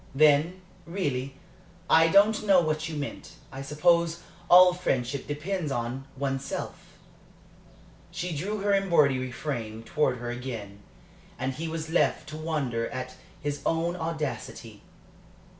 "Then, really, I don't know what you meant. I suppose all friendship depends on one's self." She drew her embroidery frame towards her again, and he was left to wonder at his own audacity.